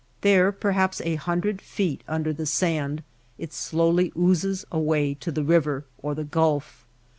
There, perhaps a hundred feet under the sand, it slow ly oozes away to the river or the Gulf.